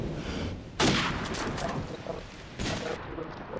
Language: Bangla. কিন্তু গোলরক্ষক ম্যাচের সেরা খেলোয়াড় হয়েছে কেবল আপনার গোলের সুযোগগুলো নস্যাৎ করেই।